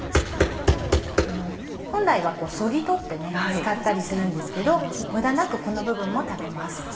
本来はそぎ取って使ったりするんですけど無駄なくこの部分も食べます。